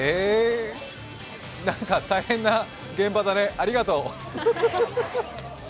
なんか大変な現場だね、ありがとう。